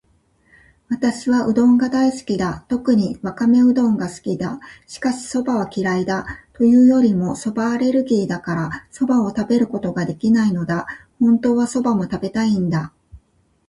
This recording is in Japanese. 私はうどんが大好きだ。特にわかめうどんが好きだ。しかし、蕎麦は嫌いだ。というよりも蕎麦アレルギーだから、蕎麦を食べることができないのだ。本当は蕎麦も食べたいんだ。